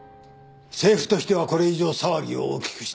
政府としてはこれ以上騒ぎを大きくしたくない。